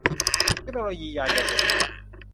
เทคโนโลยียานยนต์ไฟฟ้า